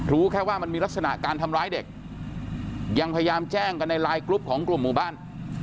แค่ว่ามันมีลักษณะการทำร้ายเด็กยังพยายามแจ้งกันในไลน์กรุ๊ปของกลุ่มหมู่บ้าน